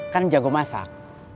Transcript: kan jago masak